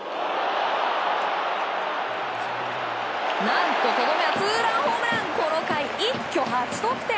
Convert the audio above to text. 何ととどめはツーランホームランでこの回、一挙８得点。